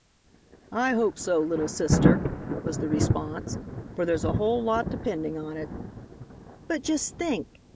"I hope so, little sister," was the response, "for there's a whole lot depending on it." "But just think.